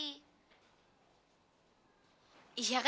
aku tuh tanya kamu udah cerita belum sama teri